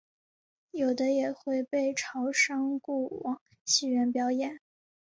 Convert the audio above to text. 有的也会被潮商雇往戏园表演。